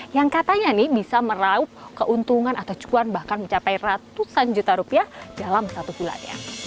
yang katanya nih bisa meraup keuntungan atau cuan bahkan mencapai ratusan juta rupiah dalam satu bulannya